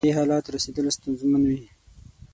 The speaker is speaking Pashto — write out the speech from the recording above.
دې حالت رسېدل ستونزمن وي.